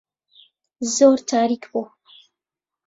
زۆر تاریک بوو.